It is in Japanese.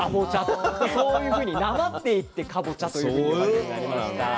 そういうふうになまっていってかぼちゃというふうに呼ばれるようになりました。